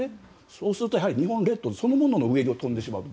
そうすると日本列島そのものの上を飛んでしまう。